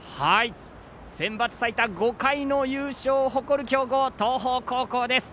センバツ最多５回の優勝を誇る強豪の東邦高校です。